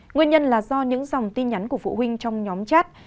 nguyên nhân là do những dòng tin nhắn của phụ huynh trong nhóm chat